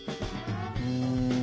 うん。